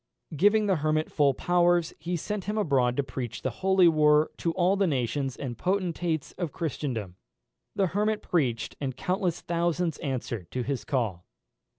Giving the Hermit full powers, he sent him abroad to preach the holy war to all the nations and potentates of Christendom. The Hermit preached, and countless thousands answered to his call.